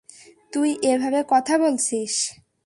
তুই এভাবে কথা বলছিস?